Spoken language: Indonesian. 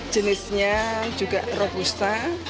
jenisnya juga robusta